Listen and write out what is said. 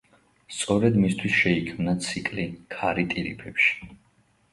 სწორედ მისთვის შეიქმნა ციკლი „ქარი ტირიფებში“.